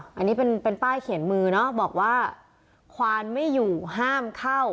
อันนี้เป็นเป็นป้ายเขียนมือเนาะบอกว่าควานไม่อยู่ห้ามเข้า